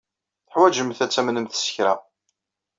Teḥwajemt ad tamnemt s kra.